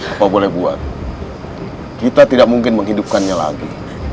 apa boleh buat kita tidak mungkin menghidupkannya lagi